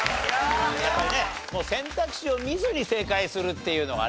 やっぱりね選択肢を見ずに正解するっていうのがね